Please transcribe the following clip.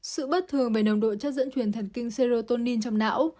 sự bất thường về nồng độ chất dẫn truyền thần kinh seoin trong não